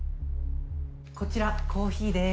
こちらコーヒーです。